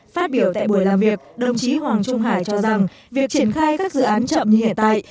phát biểu tại buổi làm việc đồng chí hoàng trung hải cho rằng việc triển khai các dự án chậm như hiện tại